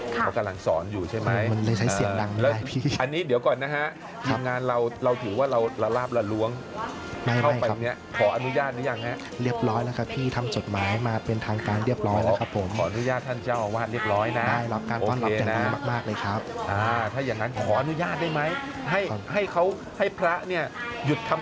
เขากำลังสอนอยู่ใช่ไหมมันเลยใช้เสียงดังแล้วอันนี้เดี๋ยวก่อนนะฮะทำงานเราเราถือว่าเราละลาบละล้วงเข้าไปตรงนี้ขออนุญาตหรือยังฮะเรียบร้อยแล้วครับพี่ทำจดหมายมาเป็นทางการเรียบร้อยแล้วครับผมขออนุญาตท่านเจ้าอาวาสเรียบร้อยนะมากมากเลยครับอ่าถ้าอย่างงั้นขออนุญาตได้ไหมให้ให้เขาให้พระเนี่ยหยุดทำ